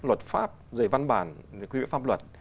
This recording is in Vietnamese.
luật pháp giới văn bản quy viễn pháp luật